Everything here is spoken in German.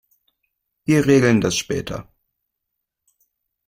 Wir regeln das später.